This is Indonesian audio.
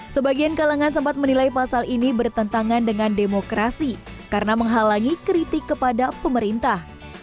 sebagian kalangan sempat menilai pasal ini bertentangan dengan demokrasi karena menghalangi kritik kepada pemerintah